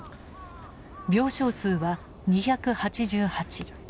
病床数は２８８。